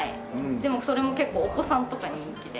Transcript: でもそれも結構お子さんとかに人気で。